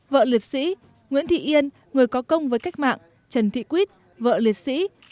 vợ liệt sĩ nguyễn thị yên người có công với cách mạng trần thị quýt vợ liệt sĩ